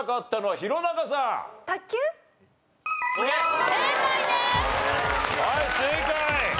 はい正解！